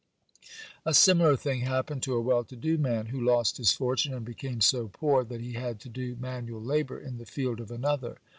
(55) A similar thing happened to a well to do man who lost his fortune, and became so poor that he had to do manual labor in the field of another.